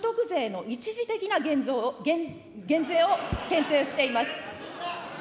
その一方で、今回、所得税の一時的な減税を検討しています。